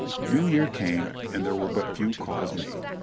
New Year came and there were but few calls made.